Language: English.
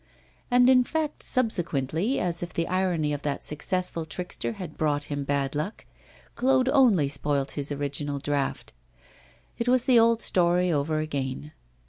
And, in fact, subsequently, as if the irony of that successful trickster had brought him bad luck, Claude only spoilt his original draught. It was the old story over again.